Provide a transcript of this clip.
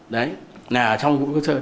đấy là trong vũ khí thô sơ